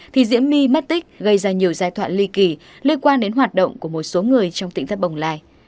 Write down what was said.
thì diễm my mất tích gây ra nhiều giai thoại ly kỳ liên quan đến hoạt động của một số người trong tỉnh thất bồng lai